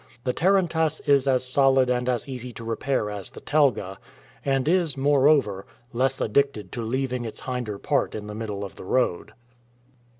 The tarantass is as solid and as easy to repair as the telga, and is, moreover, less addicted to leaving its hinder part in the middle of the road.